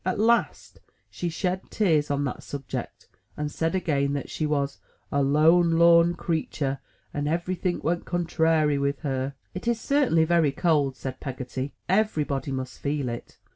At last she shed tears on that subject, and said again that she was "a lone lorn creetur' and every think went contrairy with her." "It is certainly very cold," said Peggotty. "Everybody must feel it."